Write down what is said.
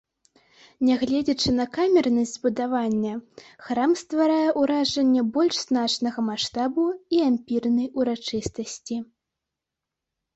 Нягледзячы на камернасць збудавання, храм стварае ўражанне больш значнага маштабу і ампірнай урачыстасці.